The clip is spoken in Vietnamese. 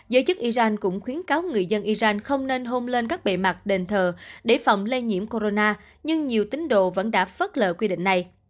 giới chức iran cũng khuyến cáo người dân iran không nên hôn lên các bề mặt đền thờ để phòng lây nhiễm corona nhưng nhiều tính độ vẫn đã phất lợi quy định này